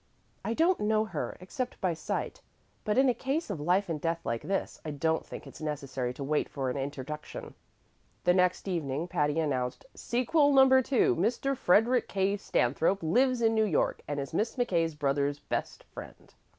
I don't know her, except by sight, but in a case of life and death like this, I don't think it's necessary to wait for an introduction." The next evening Patty announced: "Sequel number two! Mr. Frederick K. Stanthrope lives in New York, and is Miss McKay's brother's best friend.